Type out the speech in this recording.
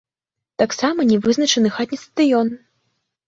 Таксама не вызначаны хатні стадыён.